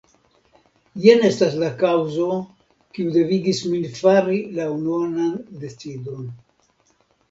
Jen estas la kaŭzo, kiu devigis min fari la nunan decidon.